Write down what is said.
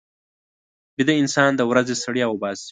ویده انسان د ورځې ستړیا وباسي